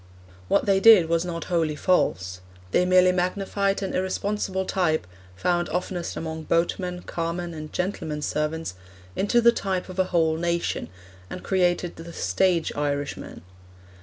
What they did was not wholly false; they merely magnified an irresponsible type, found oftenest among boatmen, carmen, and gentlemen's servants, into the type of a whole nation, and created the stage Irishman.